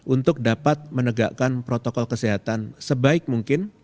untuk dapat menegakkan protokol kesehatan sebaik mungkin